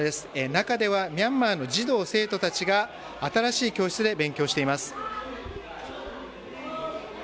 中ではミャンマーの児童、生徒たちが新しい教室で勉強しています。